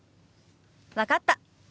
分かった。